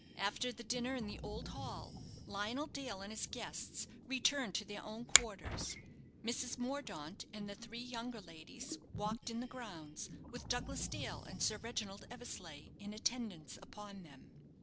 After the dinner in the old hall, Lionel Dale and his guests returned to their own quarters; Mrs. Mordaunt and the three younger ladies walked in the grounds, with Douglas Dale and Sir Reginald Eversleigh in attendance upon them.